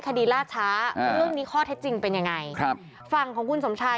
คดีลาดช้าเรื่องนี้ข้อแท้จริงเป็นยังไงฟังของคุณสมชาย